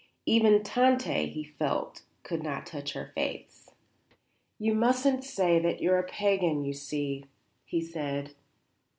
Even Tante, he felt, could not touch her faiths. "You mustn't say that you are a pagan, you see," he said.